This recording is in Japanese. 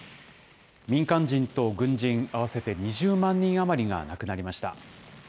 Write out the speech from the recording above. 民間人と軍人、合わせて２０万人余りが亡くなりました。